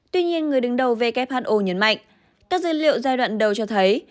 tuy nhiên người đứng đầu who nhấn mạnh các dữ liệu giai đoạn đầu cho thấy